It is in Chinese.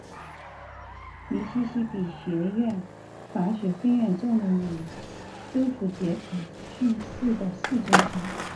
密西西比学院法学分院坐落于州府杰克逊市的市中心。